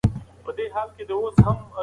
دولت باید اسانتیا برابره کړي.